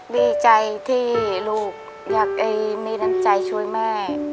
ดีใจที่ลูกอยากมีน้ำใจช่วยแม่